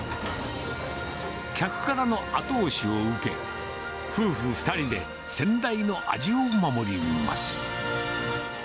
客からの後押しを受け、夫婦２人で先代の味を守ります。